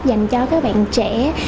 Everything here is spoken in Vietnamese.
dành cho các bạn trẻ